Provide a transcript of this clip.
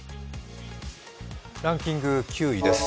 ランキング９位です。